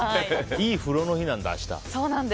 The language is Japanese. いい風呂の日なんだ、明日。